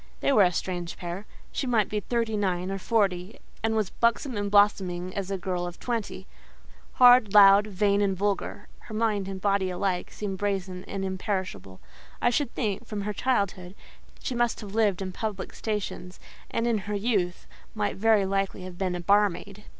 They were a strange pair. She might be thirty nine or forty, and was buxom and blooming as a girl of twenty. Hard, loud, vain and vulgar, her mind and body alike seemed brazen and imperishable. I should think, from her childhood, she must have lived in public stations; and in her youth might very likely have been a barmaid.